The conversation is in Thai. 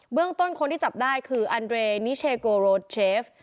เรื่องต้นคนที่จับได้คืออันเรนิเชโกโรเชฟ